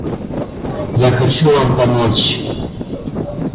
Я хочу вам помочь.